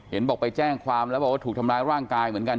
เห็นบอกไปแจ้งความแล้วบอกว่าถูกทำร้ายร่างกายเหมือนกัน